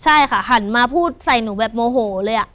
ใช่ค่ะหันมาพูดใส่หนูแบบโมโหเลย